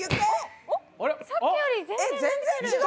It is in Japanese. さっきより全然のびてる。